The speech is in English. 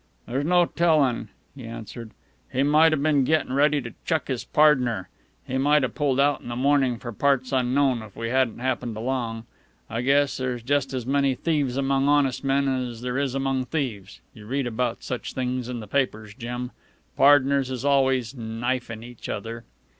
"There's no tellin'," he answered. "He might a been getting ready to chuck his pardner. He might a pulled out in the mornin' for parts unknown, if we hadn't happened along. I guess there's just as many thieves among honest men as there is among thieves. You read about such things in the papers, Jim. Pardners is always knifin' each other."